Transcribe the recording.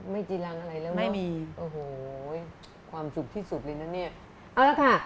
จีรังอะไรแล้วไม่มีโอ้โหความสุขที่สุดเลยนะเนี่ยเอาละค่ะ